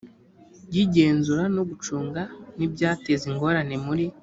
y igenzura no gucunga n ibyateza ingorane muri